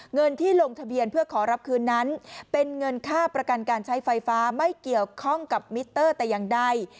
เงินที่ลงทะเบียนเพื่อขอรับคืนนั้นเป็นเงินค่าประกันการใช้ไฟฟ้าไม่เกี่ยวข้องกับมิเตอร์แต่อย่างใด